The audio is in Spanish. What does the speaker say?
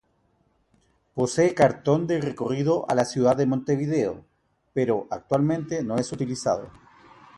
Posee cartón de recorrido a la ciudad de Montevideo, pero actualmente no es utilizado.